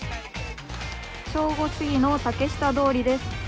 正午すぎの竹下通りです。